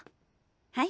はい！